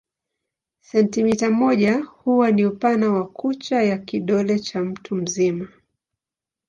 Sentimita moja huwa ni upana wa kucha ya kidole cha mtu mzima.